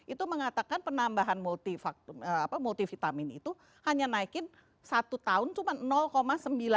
itu mengatakan penambahan multivitamin itu hanya naikin satu tahun cuma sembilan puluh sembilan cm